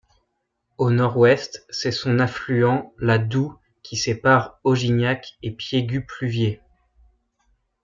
Au nord-ouest, c'est son affluent la Doue qui sépare Augignac et Piégut-Pluviers.